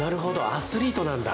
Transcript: アスリートなんだ！